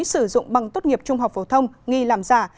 sử dụng bằng tốt nghiệp trung học phổ thông nghi làm giả